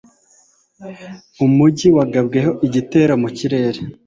Umujyi wagabweho igitero mu kirere.